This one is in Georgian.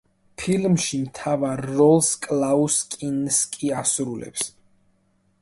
ფილმში მთავარ როლს კლაუს კინსკი ასრულებს.